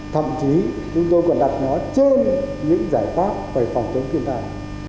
thậm chí chúng tôi còn đặt nó trên những giải pháp về phòng chống phiên tài